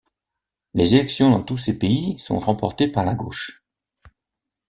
Les élections dans tous ces pays sont remportées par la gauche.